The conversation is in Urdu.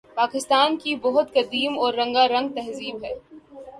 پاکستان کی بہت قدیم اور رنگارنگ تہذیب ہے